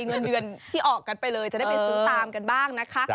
เงินเดือนที่ออกกันไปเลยจะได้ไปซื้อตามกันบ้างนะคะ